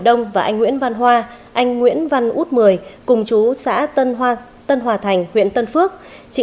đông và anh nguyễn văn hoa anh nguyễn văn út mười cùng chú xã tân hòa thành huyện tân phước chịu